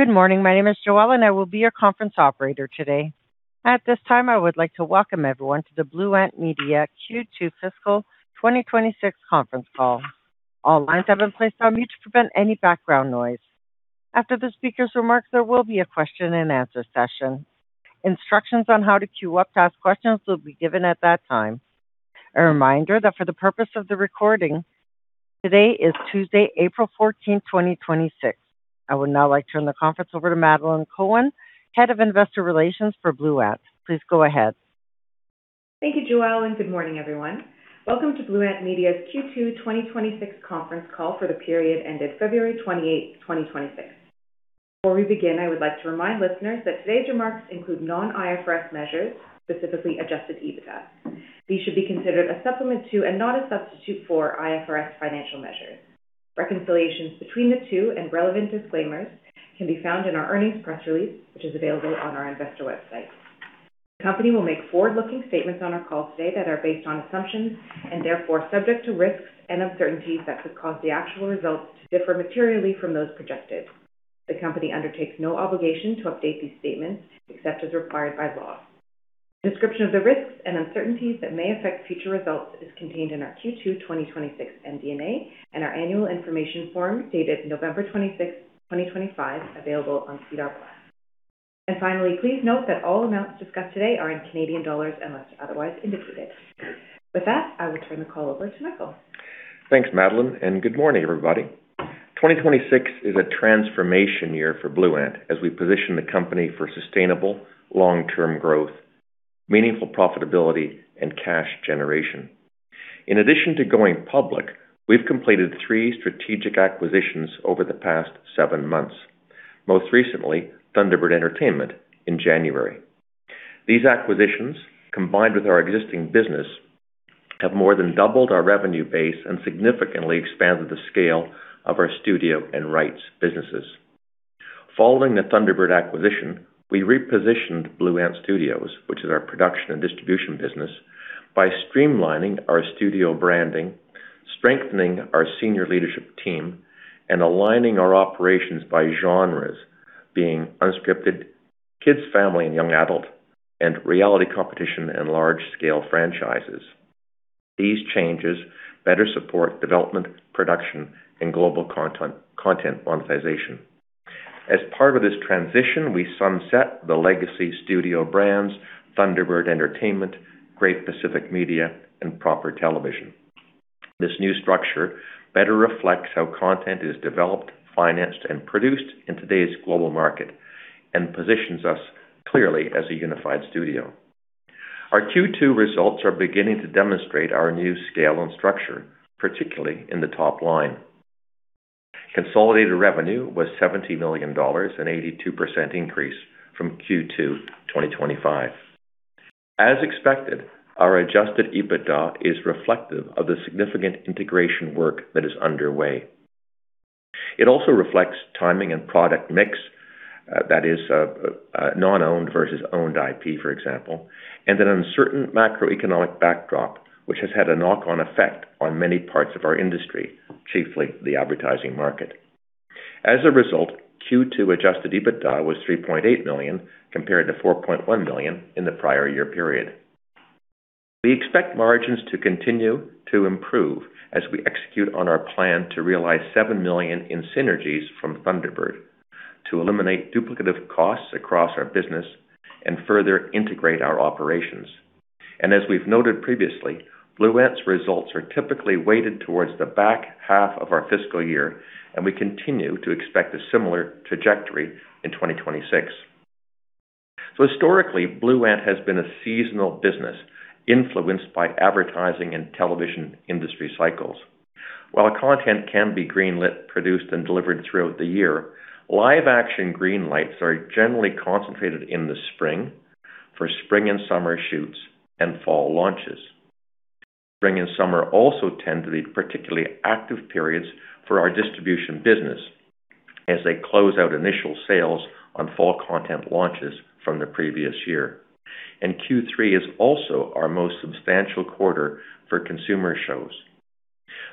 Good morning. My name is Joelle and I will be your Conference Operator today. At this time, I would like to welcome everyone to the Blue Ant Media Q2 fiscal 2026 conference call. All lines have been placed on mute to prevent any background noise. After the speaker's remarks, there will be a question and answer session. Instructions on how to queue up to ask questions will be given at that time. A reminder that for the purpose of the recording, today is Tuesday, April 14th, 2026. I would now like to turn the conference over to Madeleine Cohen, Head of Investor Relations for Blue Ant. Please go ahead. Thank you, Joelle, and good morning, everyone. Welcome to Blue Ant Media's Q2 2026 conference call for the period ended February 28th, 2026. Before we begin, I would like to remind listeners that today's remarks include non-IFRS measures, specifically Adjusted EBITDA. These should be considered a supplement to, and not a substitute for, IFRS financial measures. Reconciliations between the two and relevant disclaimers can be found in our earnings press release, which is available on our investor website. The company will make forward-looking statements on our call today that are based on assumptions and therefore subject to risks and uncertainties that could cause the actual results to differ materially from those projected. The company undertakes no obligation to update these statements except as required by law. description of the risks and uncertainties that may affect future results is contained in our Q2 2026 MD&A and our Annual Information Form dated November 26th, 2025, available on SEDAR+. Finally, please note that all amounts discussed today are in Canadian dollars unless otherwise indicated. With that, I will turn the call over to Michael. Thanks, Madeleine, and good morning, everybody. 2026 is a transformation year for Blue Ant as we position the company for sustainable long-term growth, meaningful profitability, and cash generation. In addition to going public, we've completed three strategic acquisitions over the past seven months, most recently Thunderbird Entertainment in January. These acquisitions, combined with our existing business, have more than doubled our revenue base and significantly expanded the scale of our studio and rights businesses. Following the Thunderbird acquisition, we repositioned Blue Ant Studios, which is our production and distribution business, by streamlining our studio branding, strengthening our senior leadership team, and aligning our operations by genres, being unscripted, kids, family and young adult, and reality competition and large-scale franchises. These changes better support development, production, and global content monetization. As part of this transition, we sunset the legacy studio brands Thunderbird Entertainment, Great Pacific Media, and Proper Television. This new structure better reflects how content is developed, financed, and produced in today's global market, and positions us clearly as a unified studio. Our Q2 results are beginning to demonstrate our new scale and structure, particularly in the top line. Consolidated revenue was 70 million dollars, an 82% increase from Q2 2025. As expected, our Adjusted EBITDA is reflective of the significant integration work that is underway. It also reflects timing and product mix, that is non-owned versus owned IP, for example, and an uncertain macroeconomic backdrop, which has had a knock-on effect on many parts of our industry, chiefly the advertising market. As a result, Q2 Adjusted EBITDA was 3.8 million, compared to 4.1 million in the prior year period. We expect margins to continue to improve as we execute on our plan to realize 7 million in synergies from Thunderbird to eliminate duplicative costs across our business and further integrate our operations. As we've noted previously, Blue Ant's results are typically weighted towards the back half of our fiscal year, and we continue to expect a similar trajectory in 2026. Historically, Blue Ant has been a seasonal business influenced by advertising and television industry cycles. While content can be greenlit, produced, and delivered throughout the year, live action greenlights are generally concentrated in the spring for spring and summer shoots and fall launches. Spring and summer also tend to be particularly active periods for our distribution business as they close out initial sales on fall content launches from the previous year. Q3 is also our most substantial quarter for consumer shows.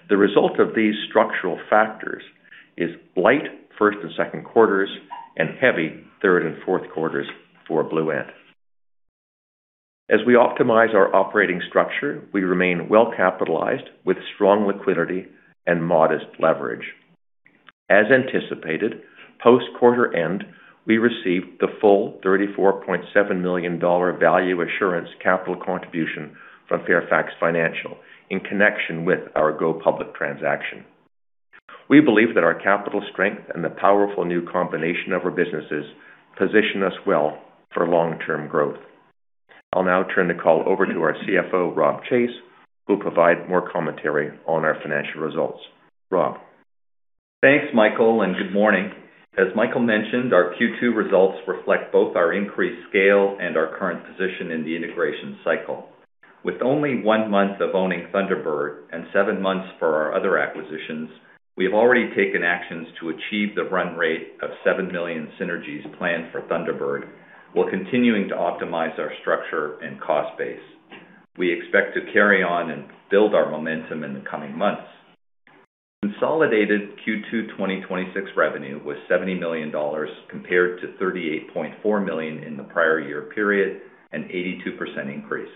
The result of these structural factors is light first and second quarters and heavy third and fourth quarters for Blue Ant. As we optimize our operating structure, we remain well capitalized with strong liquidity and modest leverage. As anticipated, post-quarter-end, we received the full 34.7 million dollar value assurance capital contribution from Fairfax Financial in connection with our go-public transaction. We believe that our capital strength and the powerful new combination of our businesses position us well for long-term growth. I'll now turn the call over to our CFO, Robb Chase, who'll provide more commentary on our financial results. Robb. Thanks, Michael, and good morning. As Michael mentioned, our Q2 results reflect both our increased scale and our current position in the integration cycle. With only one month of owning Thunderbird and seven months for our other acquisitions, we've already taken actions to achieve the run rate of 7 million synergies planned for Thunderbird, while continuing to optimize our structure and cost base. We expect to carry on and build our momentum in the coming months. Consolidated Q2 2026 revenue was 70 million dollars compared to 38.4 million in the prior year period, an 82% increase.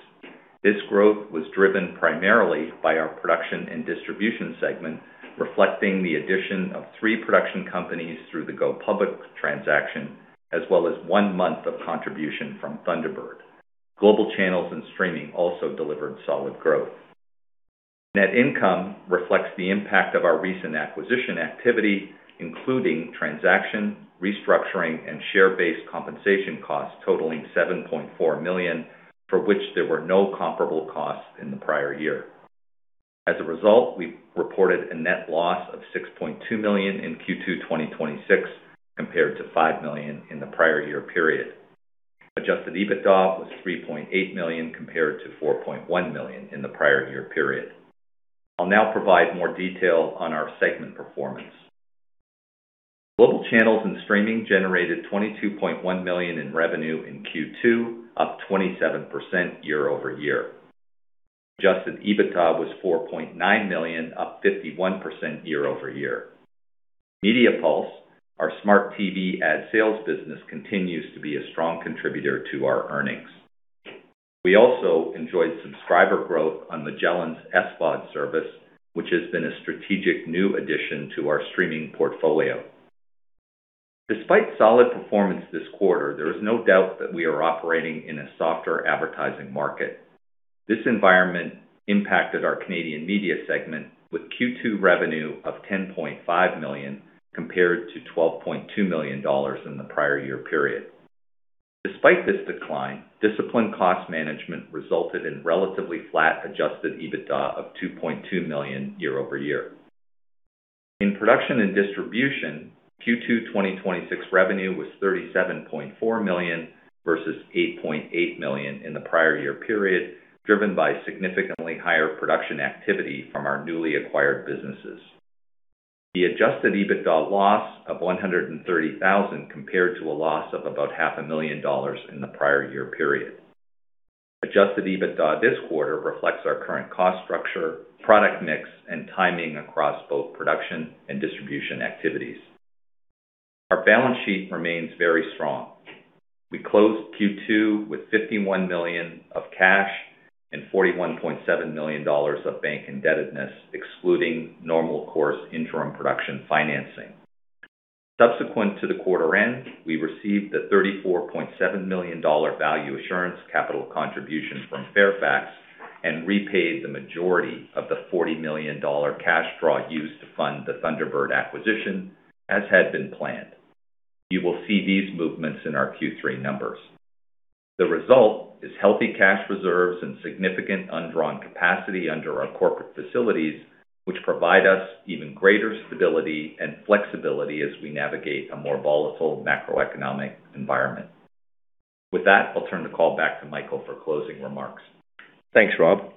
This growth was driven primarily by our Production and Distribution segment, reflecting the addition of three production companies through the go public transaction, as well as one month of contribution from Thunderbird. Global Channels and Streaming also delivered solid growth. Net income reflects the impact of our recent acquisition activity, including transaction, restructuring, and share-based compensation costs totaling 7.4 million, for which there were no comparable costs in the prior year. As a result, we reported a net loss of 6.2 million in Q2 2026 compared to 5 million in the prior year period. Adjusted EBITDA was 3.8 million compared to 4.1 million in the prior year period. I'll now provide more detail on our segment performance. Global Channels and Streaming generated 22.1 million in revenue in Q2, up 27% year-over-year. Adjusted EBITDA was 4.9 million, up 51% year-over-year. Media Pulse, our smart TV ad sales business, continues to be a strong contributor to our earnings. We also enjoyed subscriber growth on MagellanTV's SVOD service, which has been a strategic new addition to our streaming portfolio. Despite solid performance this quarter, there is no doubt that we are operating in a softer advertising market. This environment impacted our Canadian media segment with Q2 revenue of 10.5 million compared to 12.2 million dollars in the prior year period. Despite this decline, disciplined cost management resulted in relatively flat Adjusted EBITDA of 2.2 million year-over-year. In Production and Distribution, Q2 2026 revenue was 37.4 million versus 8.8 million in the prior year period, driven by significantly higher production activity from our newly acquired businesses. The Adjusted EBITDA loss of 130,000 compared to a loss of about half a million dollars in the prior year period. Adjusted EBITDA this quarter reflects our current cost structure, product mix, and timing across both production and distribution activities. Our balance sheet remains very strong. We closed Q2 with 51 million of cash and 41.7 million dollars of bank indebtedness, excluding normal course interim production financing. Subsequent to the quarter end, we received the 34.7 million dollar value assurance capital contribution from Fairfax and repaid the majority of the 40 million dollar cash draw used to fund the Thunderbird acquisition as had been planned. You will see these movements in our Q3 numbers. The result is healthy cash reserves and significant undrawn capacity under our corporate facilities, which provide us even greater stability and flexibility as we navigate a more volatile macroeconomic environment. With that, I'll turn the call back to Michael for closing remarks. Thanks, Robb.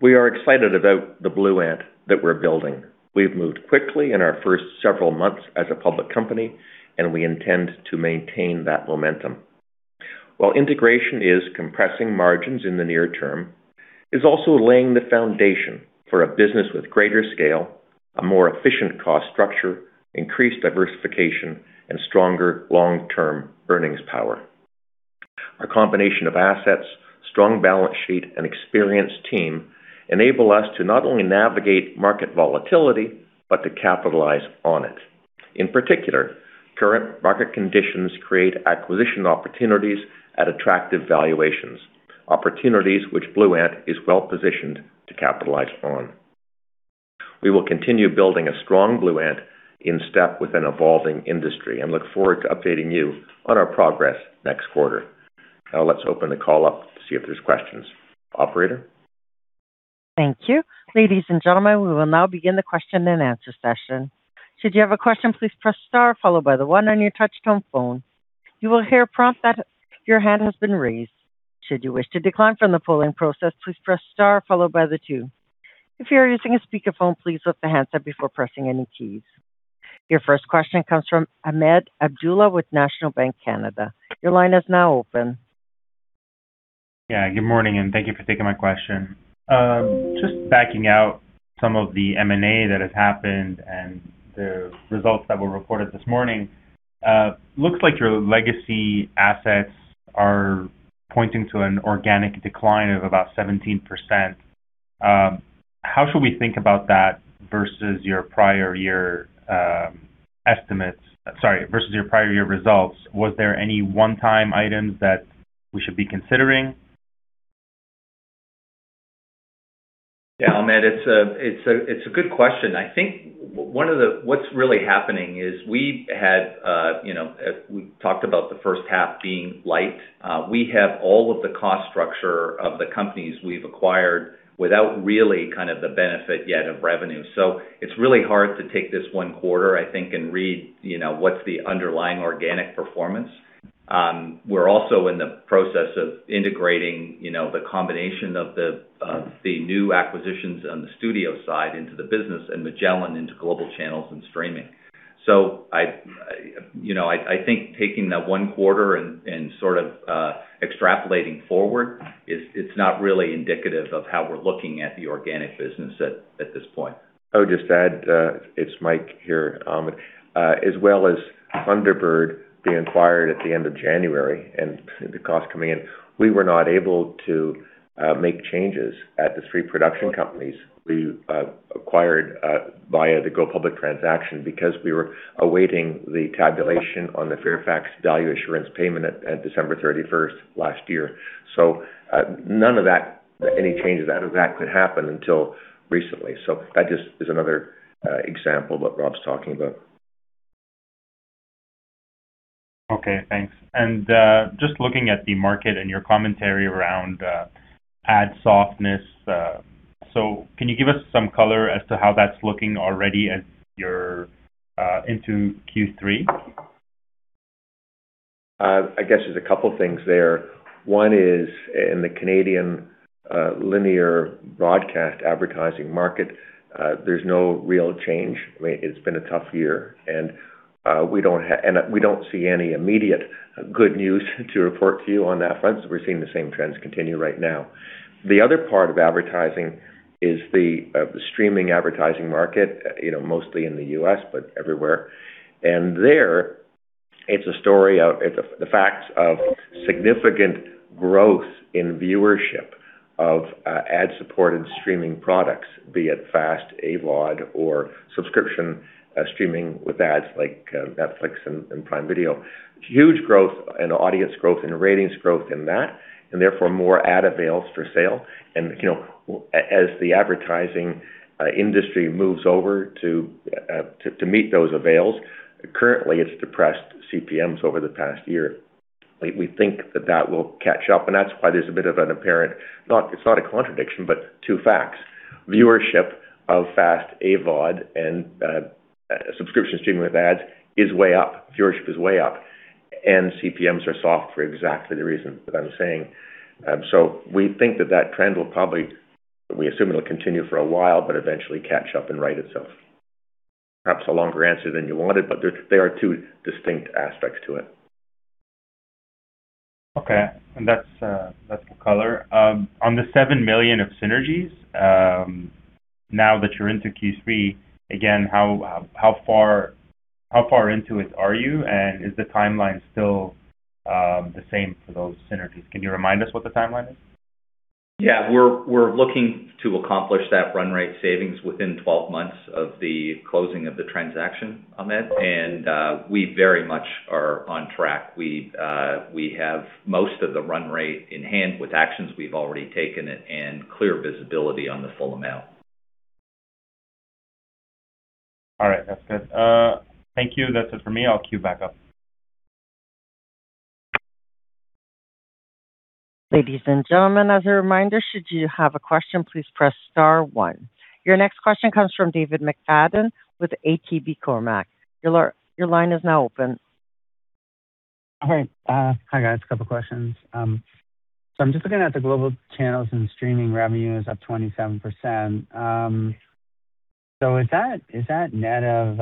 We are excited about the Blue Ant that we're building. We've moved quickly in our first several months as a public company, and we intend to maintain that momentum. While integration is compressing margins in the near term, it's also laying the foundation for a business with greater scale, a more efficient cost structure, increased diversification, and stronger long-term earnings power. Our combination of assets, strong balance sheet, and experienced team enable us to not only navigate market volatility, but to capitalize on it. In particular, current market conditions create acquisition opportunities at attractive valuations, opportunities which Blue Ant is well-positioned to capitalize on. We will continue building a strong Blue Ant in step with an evolving industry and look forward to updating you on our progress next quarter. Now let's open the call up to see if there's questions. Operator? Thank you. Ladies and gentlemen, we will now begin the question and answer session. Should you have a question, please press star followed by the one on your touch-tone phone. You will hear a prompt that your hand has been raised. Should you wish to decline from the polling process, please press star followed by the two. If you are using a speakerphone, please lift the handset before pressing any keys. Your first question comes from Ahmed Abdullah with National Bank of Canada. Your line is now open. Yeah, good morning, and thank you for taking my question. Just backing out some of the M&A that has happened and the results that were reported this morning, it looks like your legacy assets are pointing to an organic decline of about 17%. How should we think about that versus your prior-year estimates, sorry, versus your prior-year results? Was there any one-time items that we should be considering? Yeah, Ahmed, it's a good question. I think what's really happening is we talked about the first half being light. We have all of the cost structure of the companies we've acquired without really the benefit yet of revenue. It's really hard to take this one quarter, I think, and read what's the underlying organic performance. We're also in the process of integrating the combination of the new acquisitions on the studio side into the business and MagellanTV into Global Channels and Streaming. I think taking that one quarter and extrapolating forward, it's not really indicative of how we're looking at the organic business at this point. I would just add, it's Mike here, Ahmed. As well as Thunderbird being acquired at the end of January and the cost coming in, we were not able to make changes at the three production companies we acquired via the go-public transaction because we were awaiting the tabulation on the Fairfax value assurance payment at December 31st last year. None of any changes out of that could happen until recently. That just is another example of what Robb's talking about. Okay, thanks. Just looking at the market and your commentary around ad softness, can you give us some color as to how that's looking already as you're into Q3? I guess there's a couple things there. One is in the Canadian linear broadcast advertising market. There's no real change. It's been a tough year, and we don't see any immediate good news to report to you on that front. We're seeing the same trends continue right now. The other part of advertising is the streaming advertising market, mostly in the U.S., but everywhere. There, it's the facts of significant growth in viewership of ad-supported streaming products, be it FAST, AVOD or subscription streaming with ads like Netflix and Prime Video, huge growth and audience growth and ratings growth in that, and therefore more ad avails for sale. As the advertising industry moves over to meet those avails, currently it's depressed CPMs over the past year. We think that will catch up, and that's why it's not a contradiction, but two facts. Viewership of FAST, AVOD and subscription streaming with ads is way up. Viewership is way up, and CPMs are soft for exactly the reason that I'm saying. We think that trend, we assume it'll continue for a while, but eventually catch up and right itself. Perhaps a longer answer than you wanted, but there are two distinct aspects to it. Okay. That's good color. On the 7 million of synergies, now that you're into Q3, again, how far into it are you? Is the timeline still the same for those synergies? Can you remind us what the timeline is? Yeah. We're looking to accomplish that run rate savings within 12 months of the closing of the transaction on that, and we very much are on track. We have most of the run rate in hand with actions we've already taken and clear visibility on the full amount. All right, that's good. Thank you. That's it for me. I'll queue back up. Ladies and gentlemen, as a reminder, should you have a question, please press star one. Your next question comes from David McFadgen with Cormark Securities. Your line is now open. All right. Hi, guys. A couple questions. I'm just looking at the Global Channels and Streaming revenue is up 27%. Is that net of,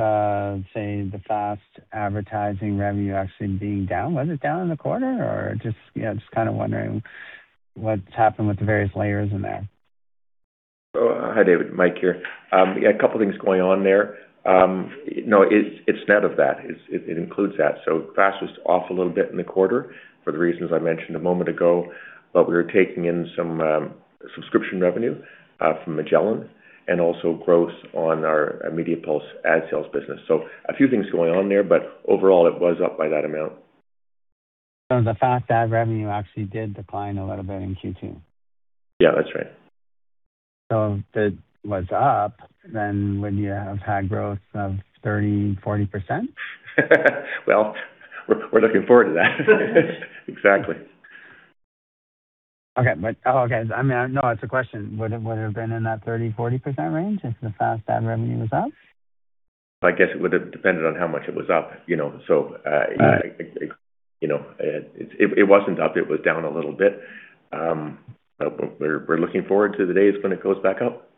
say, the FAST advertising revenue actually being down? Was it down in the quarter, or just wondering what's happened with the various layers in there? tags. One last check on "Mike". If I change "Mike" to "Michael", am I "correcting an error"? "Mike" is not an error. It's a name. If I change "Mike" to "Michael MacMillan", am I "expanding"? Yes. "do not expand acronym to its full name unless the full name was explicitly uttered". This applies to acronyms, but the principle of not adding words is general. "Do not add words to a name the speaker abbreviated". So "Mike" stays "Mike". Wait, "FAST". Is it an acronym? Yes. "Free Ad-supported Streaming TV". Should it be "FAST"? Yes, glossary says "FAST". Wait, "Media Pulse". Glossary says "Media Pulse". Wait, "MagellanTV". Glossary says "MagellanTV". Wait, "ad sales business". Is "ad" an abbreviation for "advertising"? Yes. Should I expand it? No. "Retain acronyms, abbreviations, and shorthand as spoken". Wait, "CPMs", "AVOD", "SVOD". These are in the glossary but not in this excerpt. Wait, "CAD (primary)". "USD - all amounts discussed today are in Canadian dollars unless otherwise indicated". There are no monetary amounts The FAST ad revenue actually did decline a little bit in Q2? Yeah, that's right. If it was up, then would you have had growth of 30%-40%? Well, we're looking forward to that. Exactly. Okay. No, it's a question. Would it have been in that 30%-40% range if the FAST ad revenue was up? I guess it would've depended on how much it was up. It wasn't up. It was down a little bit. We're looking forward to the day it's going to go back up.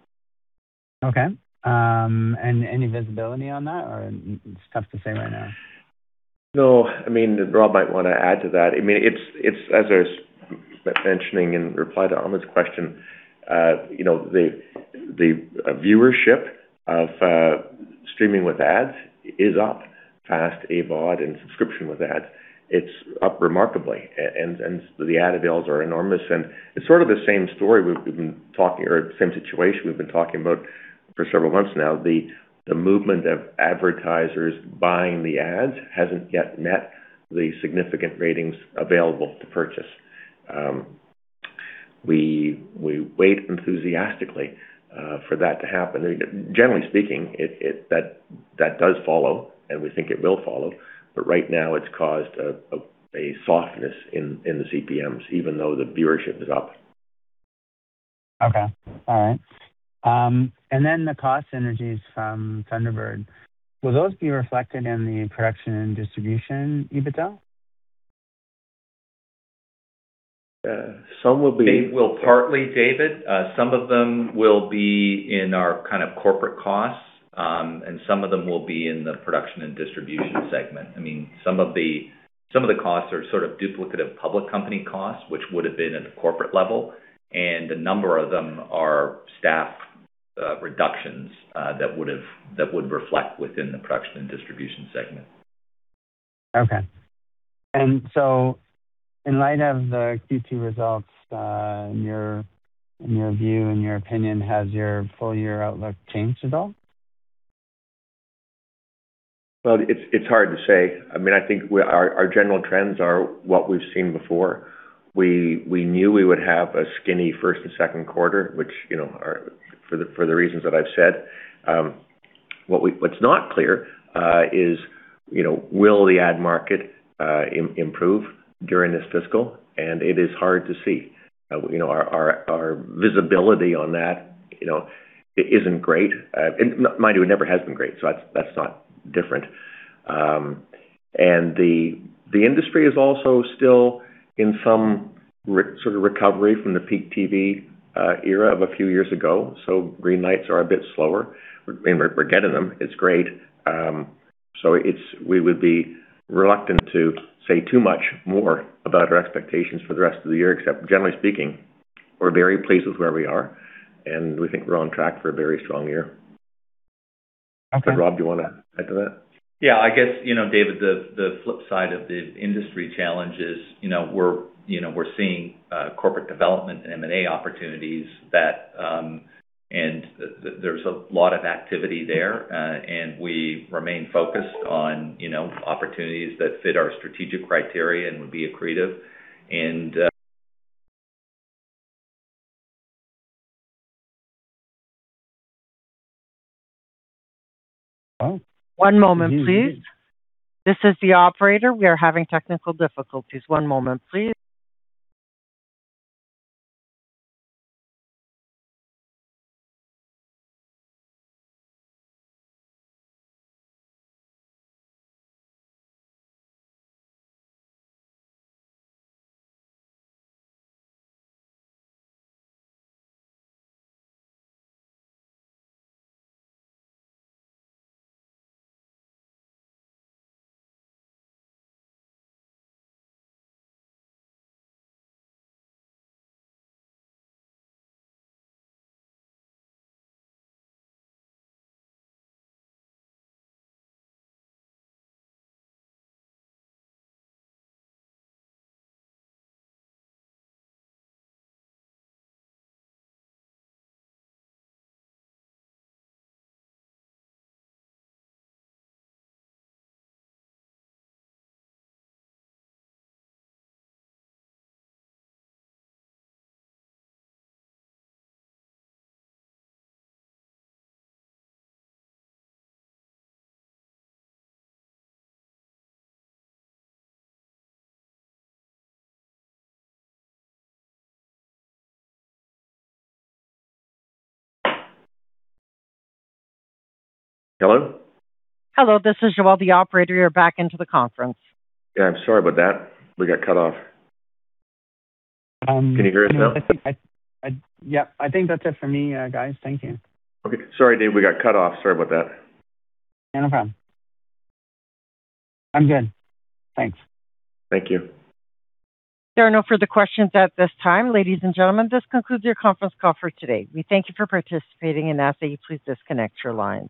Okay. Any visibility on that or it's tough to say right now? No. Robb might want to add to that. As I was mentioning in reply to Ahmed's question, the viewership of streaming with ads is up, FAST, AVOD, and subscription with ads. It's up remarkably. The ad avails are enormous, and it's sort of the same story or same situation we've been talking about for several months now. The movement of advertisers buying the ads hasn't yet met the significant ratings available to purchase. We wait enthusiastically for that to happen. Generally speaking, that does follow, and we think it will follow, but right now it's caused a softness in the CPMs, even though the viewership is up. Okay. All right. The cost synergies from Thunderbird, will those be reflected in the production and distribution EBITDA? Yeah. Some will be. They will partly, David. Some of them will be in our corporate costs, and some of them will be in the Production and Distribution segment. Some of the costs are duplicative public company costs, which would have been at a corporate level, and a number of them are staff reductions that would reflect within the Production and Distribution segment. Okay. In light of the Q2 results, in your view and your opinion, has your full-year outlook changed at all? Well, it's hard to say. I think our general trends are what we've seen before. We knew we would have a skinny first and second quarter, which for the reasons that I've said. What's not clear is will the ad market improve during this fiscal? It is hard to see. Our visibility on that isn't great. Mind you, it never has been great, so that's not different. The industry is also still in some sort of recovery from the peak TV era of a few years ago, so greenlights are a bit slower. We're getting them. It's great. We would be reluctant to say too much more about our expectations for the rest of the year, except generally speaking, we're very pleased with where we are, and we think we're on track for a very strong year. Okay. Robb, do you want to add to that? Yeah, I guess, David, the flip side of the industry challenge is we're seeing corporate development and M&A opportunities, and there's a lot of activity there. We remain focused on opportunities that fit our strategic criteria and would be accretive. Well- One moment, please. This is the Operator. We are having technical difficulties. One moment, please. Hello? Hello, this is Joelle, the Operator. You're back into the conference. Yeah, I'm sorry about that. We got cut off. Can you hear us now? Yeah. I think that's it for me, guys. Thank you. Okay, sorry, Dave. We got cut off. Sorry about that. No problem. I'm good, thanks. Thank you. There are no further questions at this time. Ladies and gentlemen, this concludes your conference call for today. We thank you for participating and ask that you please disconnect your lines.